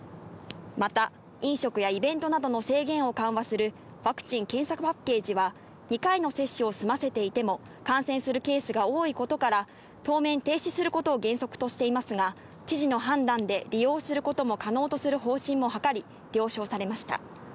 また、飲食やイベントなどの制限を緩和するワクチン・検査パッケージは２回の接種を済ませていても感染するケースが多いことから、当面、停止することを原則としていますが、知事の判断で利用することを可能とする方針も諮り、了承されました。